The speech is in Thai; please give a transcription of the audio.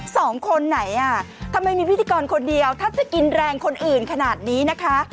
สองคนไหนอ่ะทำไมมีพิธีกรคนเดียวถ้าจะกินแรงคนอื่นขนาดนี้นะคะ